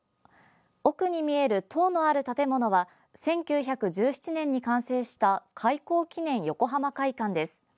奥に見える塔のある建物は１９１７年に完成した開港記念横浜会館です。